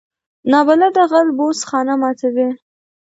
نابلده غل بوس خانه ماتوي